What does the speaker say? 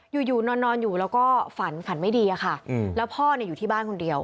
อยู่อยู่นอนอยู่แล้วก็ฝันฝันไม่ดีอะค่ะแล้วพ่ออยู่ที่บ้านคนเดียว